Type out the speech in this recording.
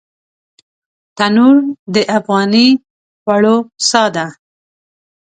تنور د افغاني خوړو ساه ده